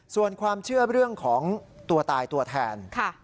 ส่วนความเชื่อเรื่องของตัวตายตัวแทน